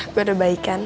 gue udah baik kan